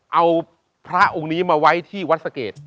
เอาพระองค์นี้มาไว้ที่วัดสะเกด